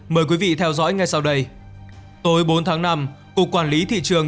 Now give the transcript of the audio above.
mời quý vị theo dõi ngay sau đây tối bốn tháng năm cục quản lý thị trường